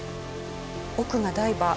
奥がダイバー。